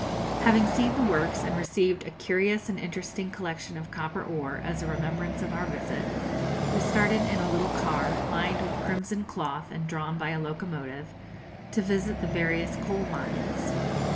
Having seen the works, and received a curious and interesting collection of copper ore, as a remembrance of our visit, we started in a little car, lined with crimson cloth, and drawn by a locomotive, to visit the various coal mines.